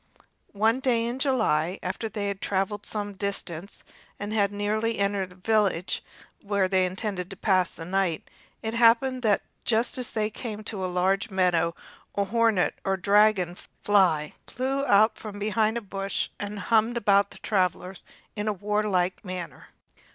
One day in July, after they had traveled some distance, and had nearly entered the village where they intended to pass the night, it happened that just as they came to a large meadow a hornet or dragon fly flew out from behind a bush and hummed about the travelers in a warlike manner.